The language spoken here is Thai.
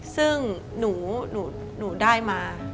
ซึ่งหนูได้มา